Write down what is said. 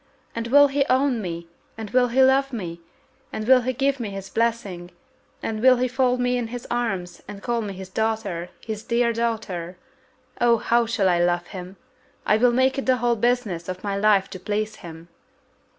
And will he own me, and will he love me, and will he give me his blessing, and will he fold me in his arms, and call me his daughter, his dear daughter? Oh, how I shall love him! I will make it the whole business of my life to please him!"